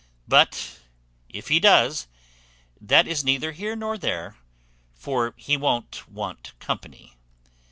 But if he does, that is neither here nor there; for he won't want company.